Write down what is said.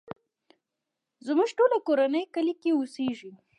زموږ ټوله کورنۍ کلی کې اوسيږې.